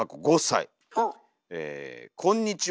こんにちは。